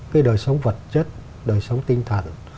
cái đời sống vật chất đời sống tinh thần